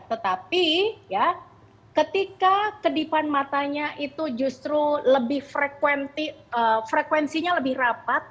tetapi ketika kedipan matanya itu justru lebih frekuensinya lebih rapat